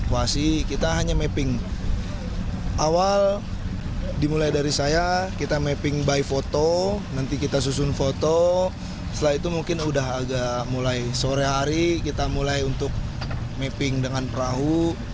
wasi kita hanya mapping awal dimulai dari saya kita mapping by foto nanti kita susun foto setelah itu mungkin udah agak mulai sore hari kita mulai untuk mapping dengan perahu